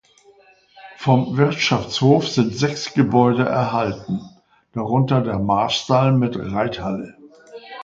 Vom Wirtschaftshof sind sechs Gebäude erhalten, darunter der Marstall mit Reithalle.